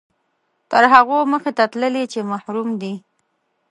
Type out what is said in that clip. تر هغو مخته تللي چې محروم دي.